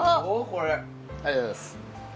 これありがとうございます・